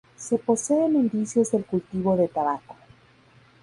Se poseen indicios del cultivo de tabaco.